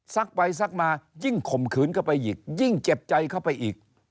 ไปซักมายิ่งข่มขืนเข้าไปอีกยิ่งเจ็บใจเข้าไปอีก